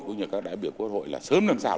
cũng như các đại biểu quốc hội là sớm làm sao